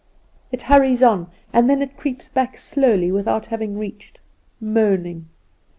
It hurries on; and then it creeps back slowly without having reached, moaning.